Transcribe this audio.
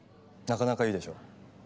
なかなかいいでしょう。